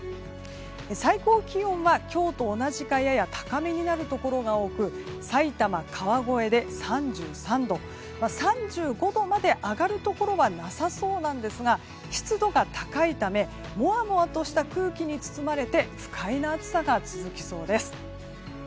最高気温は今日と同じかやや高めになるところが多くさいたま、川越で３３度３５度まで上がるところはなさそうなんですが湿度が高いためもわもわとした空気に包まれて不快な暑さが続きそうです。